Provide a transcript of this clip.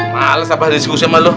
males abah diskusinya sama lo